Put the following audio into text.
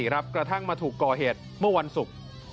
กระทั่งมาถูกก่อเหตุเมื่อวันศุกร์